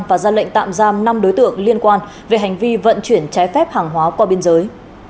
và ra lệnh tạm giam năm đối tượng liên quan về hành vi vận chuyển trái phép hàng hóa qua biên giới